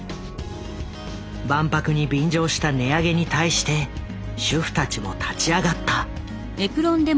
万博に便乗した値上げに対して主婦たちも立ち上がった。